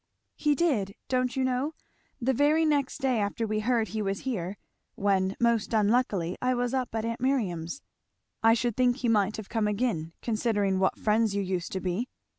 "He did don't you know? the very next day after we heard he was here when most unluckily I was up at aunt Miriam's." "I should think he might have come again, considering what friends you used to be."